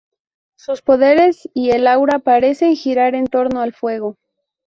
Sus poderes y el aura parecen girar en torno al fuego.